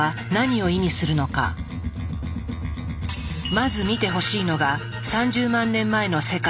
まず見てほしいのが３０万年前の世界。